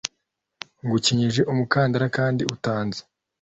nagukenyeje umukandara, kandi utanzi,